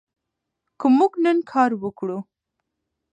که موږ نن کار وکړو.